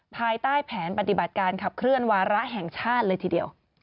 ภายใต้แผนปฏิบัติการขับเคลื่อนวาระแห่งชาติเลยทีเดียว